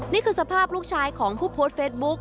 นี่คือสภาพลูกชายของผู้โพสต์เฟซบุ๊ก